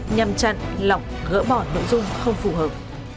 nhằm chặn lọc gỡ bỏ nội dung không phù hợp